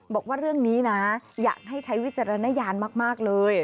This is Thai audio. บอกว่าเรื่องนี้นะอยากให้ใช้วิจารณญาณมากเลย